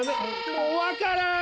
もうわからん！